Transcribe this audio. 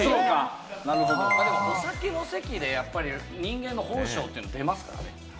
お酒の席でやっぱり人間の本性って出ますからね。